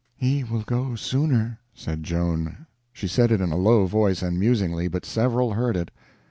"He will go sooner," said Joan. She said it in a low voice and musingly, but several heard it.